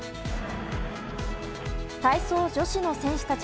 体操女子の選手たち。